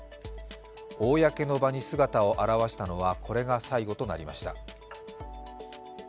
公の場に姿を現したのはこれが最後となりました。